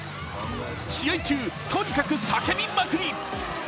試合中、とにかく叫びまくり。